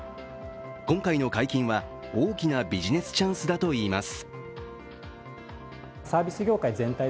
今回の解禁は、大きなビジネスチャンスだといいます。